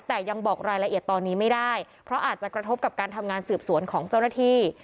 แต่ยังบอกรายละเอียดตอนนี้ไม่ได้เพราะอาจจะกระทบกับการทำงานสืบสวนของเจ้าหน้าที่